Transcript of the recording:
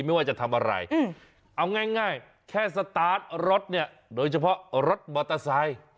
ไม่ว่าจะทำอะไรเอาง่ายแค่สตาร์ทรถเนี่ยโดยเฉพาะรถมอเตอร์ไซค์